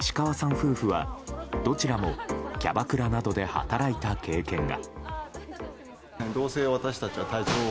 夫婦はどちらもキャバクラなどで働いた経験が。